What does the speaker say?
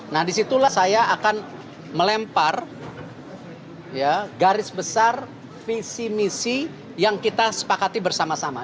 nah disitulah saya akan melempar garis besar visi misi yang kita sepakati bersama sama